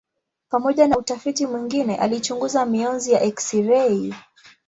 Pamoja na utafiti mwingine alichunguza mionzi ya eksirei.